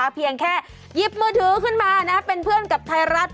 เพียงแค่หยิบมือถือขึ้นมาเป็นเพื่อนกับไทยรัฐ